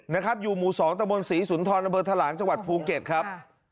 นะครับอยู่หมู่๒ตะบนศรีสุนทรอำเภอทะลางจังหวัดภูเก็ตครับ